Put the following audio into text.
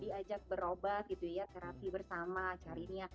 diajak berobat gitu ya terapi bersama carinya